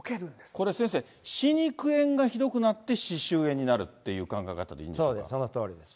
これ、先生、歯肉炎がひどくなって歯周炎になるっていう考え方でいいんですかそうです、そのとおりです。